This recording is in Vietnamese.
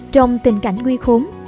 trong tình cảnh nguy khốn